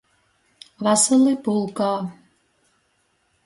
Vasali pulkā!